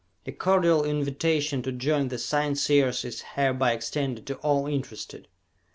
A cordial invitation to join the Scienceers is hereby extended to all interested.